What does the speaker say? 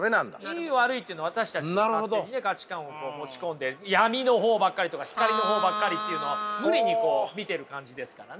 いい悪いっていうのは私たちが勝手にね価値観を持ち込んで闇の方ばっかりとか光の方ばっかりっていうのを無理にこう見てる感じですからね。